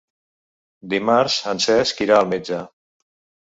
Dimarts en Cesc irà al metge.